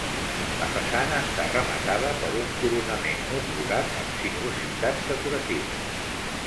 La façana està rematada per un coronament motllurat amb sinuositats decoratives.